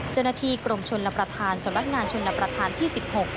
จนที่กรมชนระประทานสวรรคงานชนระประทานที่๑๖